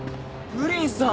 プリンさん。